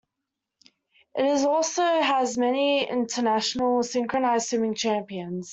It also has many international synchronized swimming champions.